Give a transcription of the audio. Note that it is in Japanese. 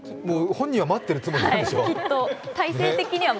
本人は待ってるつもりなんでしょう。